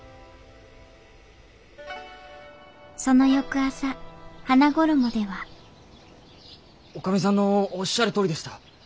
その翌朝花ごろもでは女将さんのおっしゃるとおりでした。